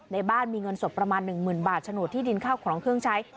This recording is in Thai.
ในบ้านมีเงินสดประมาณ๑๐๐๐บาทโฉนดที่ดินข้าวของเครื่องใช้